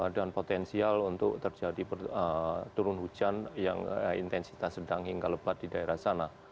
dan potensial untuk terjadi turun hujan yang intensitas sedang hingga lebat di daerah sana